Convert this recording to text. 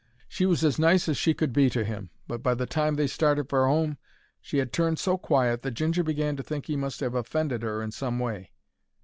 She was as nice as she could be to him, but by the time they started for 'ome, she 'ad turned so quiet that Ginger began to think 'e must 'ave offended 'er in some way.